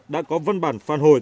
đã có văn bản phản hồi